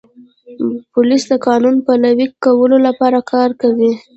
پولیس د قانون پلي کولو لپاره کار کوي.